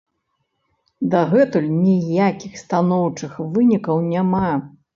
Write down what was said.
Дагэтуль ніякіх станоўчых вынікаў няма.